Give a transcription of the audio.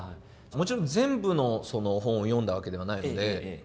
もちろん全部の本を読んだわけではないので。